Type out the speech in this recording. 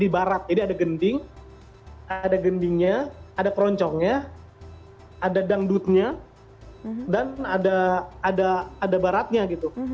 di barat jadi ada gending ada gendingnya ada keroncongnya ada dangdutnya dan ada baratnya gitu